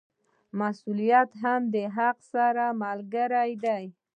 مسوولیت هم د حق سره ملګری دی.